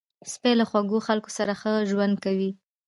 سپي له خوږو خلکو سره ښه ژوند کوي.